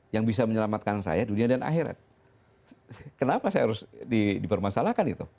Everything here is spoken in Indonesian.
yang bisa menyelamatkan saya dunia dan akhirnya kenapa saya harus dipermasalahkan itu